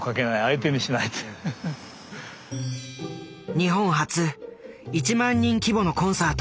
日本初１万人規模のコンサート。